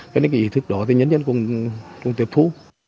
cái ý thức đó thì nhân dân cũng tiếp thú